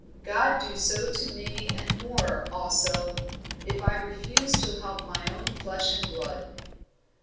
God do so to me and more also, if I refuse to help my own flesh and blood!"